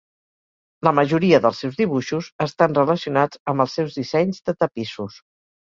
La majoria dels seus dibuixos estan relacionats amb els seus dissenys de tapissos.